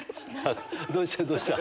どうした？